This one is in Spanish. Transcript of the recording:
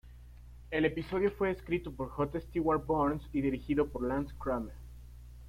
El episodio fue escrito por J. Stewart Burns y dirigido por Lance Kramer.